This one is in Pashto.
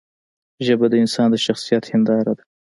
ژبه د انسان د شخصیت هنداره ده